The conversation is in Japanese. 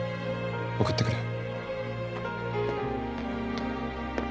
送ってくる。